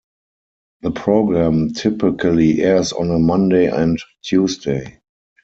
The program typically airs on a Monday and Tuesday.